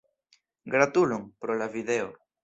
Gratulon, pro la video.